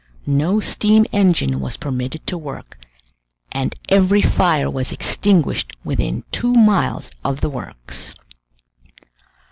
No steam engine was permitted to work, and every fire was extinguished within two miles of the works.